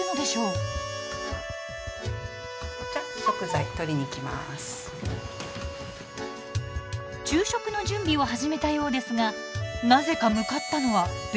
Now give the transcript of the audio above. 昼食の準備を始めたようですがなぜか向かったのはベランダ？